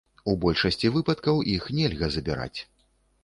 У большасці выпадкаў іх нельга забіраць.